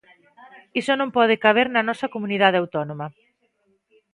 Iso non pode caber na nosa comunidade autónoma.